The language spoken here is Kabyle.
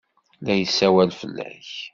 La yessawal fell-ak.